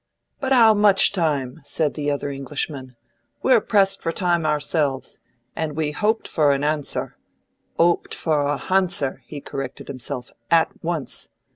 "But 'ow much time?" said the other Englishman. "We're pressed for time ourselves, and we hoped for an answer 'oped for a hanswer," he corrected himself, "at once.